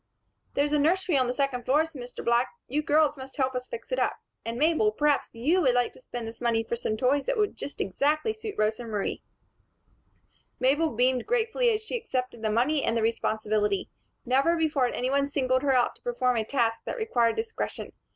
"There's a nursery on the second floor," said Mr. Black. "You girls must help us fix it up. And, Mabel, perhaps you would like to spend this money for some toys that would just exactly suit Rosa Marie." Mabel beamed gratefully as she accepted the money and the responsibility. Never before had any one singled her out to perform a task that required discretion.